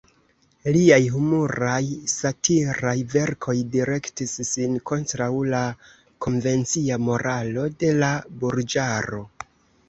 Liaj humuraj, satiraj verkoj direktis sin kontraŭ la konvencia moralo de la burĝaro.